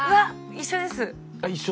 一緒ですか？